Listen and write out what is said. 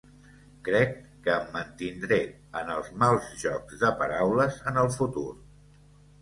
Crec que em mantindré en els mals jocs de paraules en el futur.